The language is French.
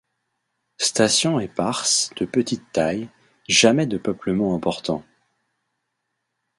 Stations éparses de petite taille, jamais de peuplement important.